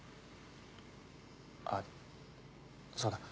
あっそうだ。